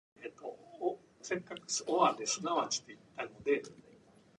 He founded Canterbury Museum at Christchurch, New Zealand.